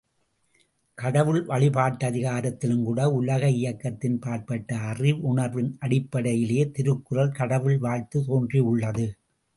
கடவுள் வழிபாட்டதிகாரத்திலும்கூட உலக இயக்கத்தின் பாற்பட்ட அறிவுணர்வின் அடிப்படையிலேயே திருக்குறள் கடவுள் வாழ்த்து தோன்றியுள்ளது.